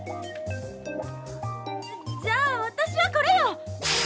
じゃあ私はこれよ！